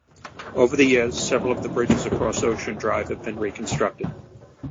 Over the years, several of the bridges along Ocean Drive have been reconstructed.